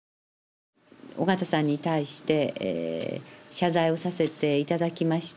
緒方さんに対して謝罪をさせて頂きました。